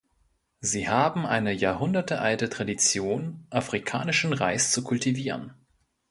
Sie haben eine jahrhundertealte Tradition, afrikanischen Reis zu kultivieren.